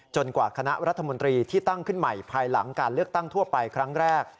กว่าคณะรัฐมนตรีที่ตั้งขึ้นใหม่ภายหลังการเลือกตั้งทั่วไปครั้งแรก